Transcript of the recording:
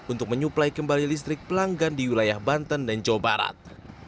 untuk menyuplai kembali listrik pelanggan di wilayah banten dan jawa barat